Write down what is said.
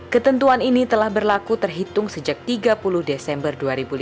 ketentuan ini telah berlaku terhitung sejak tiga puluh desember dua ribu lima belas